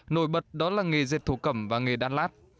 nổi bật đó là nghề dệt thổ cẩm và nghề đan lát